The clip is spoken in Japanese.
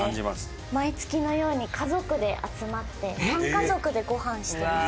毎月のように家族で集まって３家族でごはんしてます。